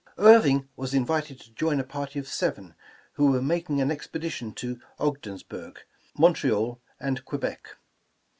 Irving was invited to join a partj^ of seven who were making an expedition to Ogdensburg, Montreal and Quebec.